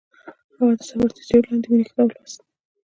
هغې د سفر تر سیوري لاندې د مینې کتاب ولوست.